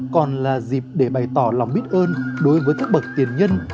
còn là dịp để bày tỏ lòng biết ơn đối với các bậc tiền nhân